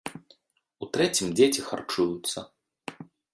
У трэцім дзеці харчуюцца.